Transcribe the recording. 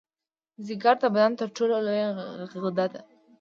ځیګر د بدن تر ټولو لویه غده ده